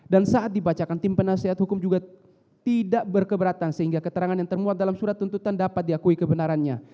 dan saat dibacakan tim penasihat hukum juga tidak berkeberatan sehingga keterangan yang termuat dalam surat tuntutan dapat diakui kebenarannya